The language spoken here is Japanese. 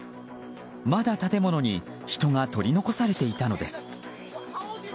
まだ建物に人が取り残されていたのです。